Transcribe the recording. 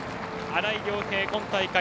新井涼平、今大会